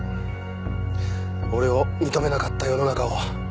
俺を認めなかった世の中を。